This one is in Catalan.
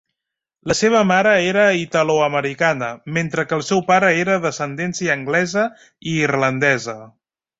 La seva mare era ítaloamericana, mentre que el seu pare era d'ascendència anglesa i irlandesa.